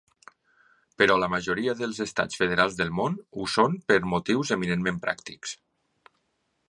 Però la majoria dels estats federals del món ho són per motius eminentment pràctics.